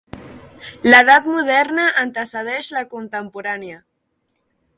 L'edat moderna antecedeix la contemporània.